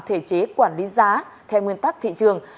thể chế quản lý giá theo nguyên tắc thị trường